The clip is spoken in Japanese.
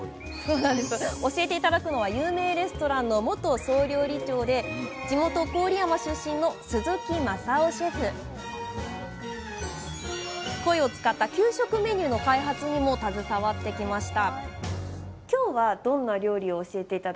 教えて頂くのは有名レストランの元総料理長で地元郡山出身のコイを使った給食メニューの開発にも携わってきました